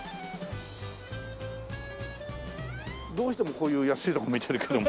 どうしてもこういう安いとこを見てるけども。